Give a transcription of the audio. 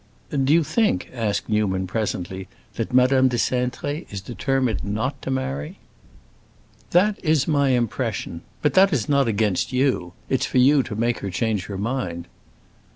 "Do you think," asked Newman presently, "that Madame de Cintré is determined not to marry?" "That is my impression. But that is not against you; it's for you to make her change her mind."